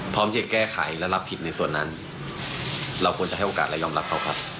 พร้อมจะแก้ไขและรับผิดในส่วนนั้นเราควรจะให้โอกาสและยอมรับเขาครับ